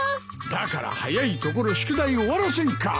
だから早いところ宿題を終わらせんか。